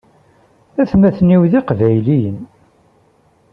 Atmaten-iw d iqbayliyen.